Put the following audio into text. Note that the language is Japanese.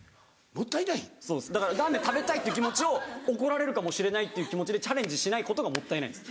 そうですだからラーメン食べたいっていう気持ちを怒られるかもしれないという気持ちでチャレンジしないことがもったいないんです。